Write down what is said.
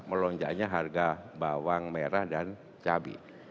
melonjaknya harga bawang merah dan cabai